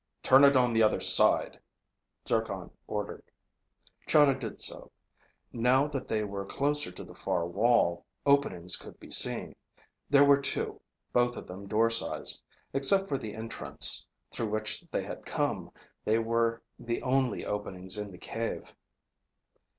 "Turn it on the other side," Zircon ordered. Chahda did so. Now that they were closer to the far wall, openings could be seen. There were two, both of them door size. Except for the entrance through which they had come, they were the only openings in the cave.